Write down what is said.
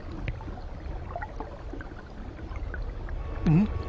うん？